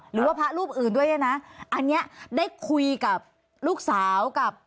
หรือว่าพระรูปอื่นด้วยเนี่ยนะอันเนี้ยได้คุยกับลูกสาวกับ